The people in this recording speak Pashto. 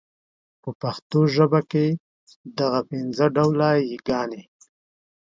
په پښتو ژبه کي دغه پنځه ډوله يې ګاني